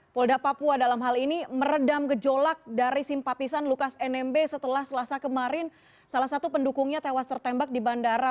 polda papua dalam hal ini meredam gejolak dari simpatisan lukas nmb setelah selasa kemarin salah satu pendukungnya tewas tertembak di bandara